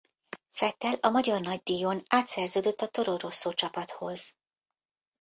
Vettel a magyar nagydíjon átszerződött a Toro Rosso csapathoz.